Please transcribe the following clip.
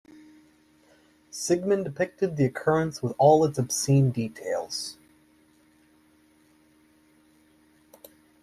Sigmund depicted the occurrence with all its obscene details.